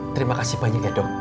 terima kasih banyak ya dok